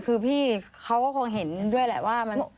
คือพี่เขาก็คงเห็นด้วยแหละว่ามัน